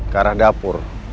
ke arah dapur